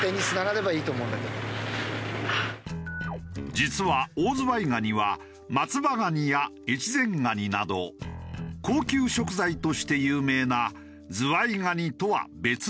実はオオズワイガニは松葉ガニや越前ガニなど高級食材として有名なズワイガニとは別のカニ。